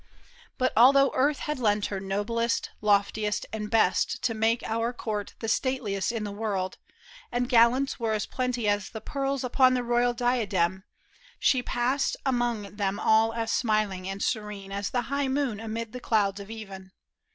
But although earth Had lent her noblest, loftiest, and best To make our court the stateliest in the world, And gallants were as plenty as the pearls Upon the royal diadem, she passed Among them all as smiling and serene As the high moon amid the clouds of even.